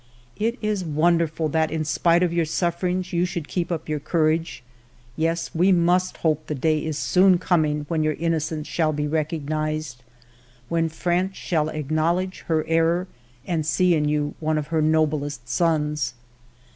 It is won derful that, in spite of your sufferings, you should keep up your courage. Yes, we must hope the day is soon coming when your innocence shall be recognized, when France shall acknowledge her error and see in you one of her noblest sons.